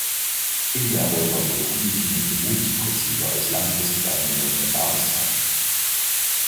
In der Rheumatologie dienen Immunsuppressiva als langfristig eingenommene Basistherapie.